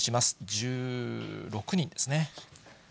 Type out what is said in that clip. １６人ですね。